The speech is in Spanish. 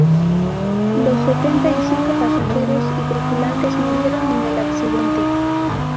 Los setenta y cinco pasajeros y tripulantes murieron en el accidente.